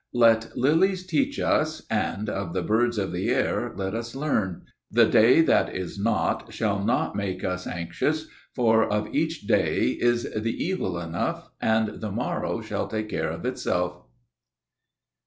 Let lilies teach us, and of the birds of the air let us learn. The day that is not shall not make us anxious, for of each day is the evil enough, and the morrow shall take care of itself.